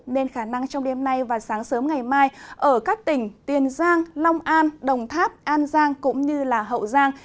nên khả năng trong đêm nay và sáng sớm ngày mai ở các tỉnh tiền giang long an đồng tháp an giang cũng như hậu giang